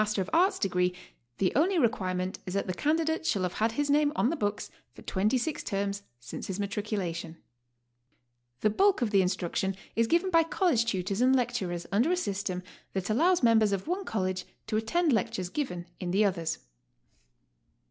A. degree the only requirement HOW TO STAY. *59 is that the candidate shall have had his name on the books for twenty six terms since his matriculation. The bulk of the instruction is given by college tutors and lecturers under a system that allows members of one College to attend lec tures given in the others.